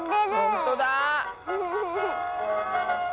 ほんとだ！